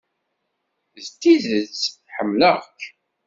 Deg tidet, ḥemmleɣ-k.